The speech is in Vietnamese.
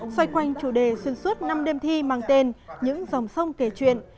xoay quanh chủ đề xuyên suốt năm đêm thi mang tên những dòng sông kể chuyện